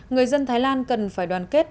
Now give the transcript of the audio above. người dân thái lan cần phải đoàn kết